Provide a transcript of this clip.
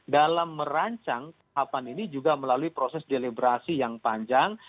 dalam merancang tahapan ini juga melalui proses delebrasi yang panjang